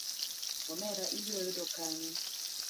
Omera ibiro yuda kanye?